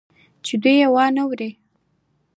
چې دوى يې وانه وري.